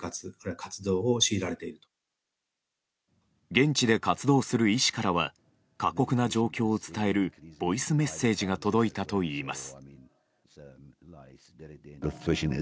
現地で活動する医師からは過酷な状況を伝えるボイスメッセージが届いたといいます。